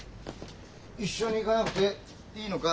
一緒に行かなくていいのか？